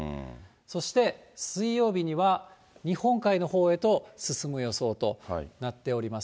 そして水曜日には、日本海のほうへと進む予想となっております。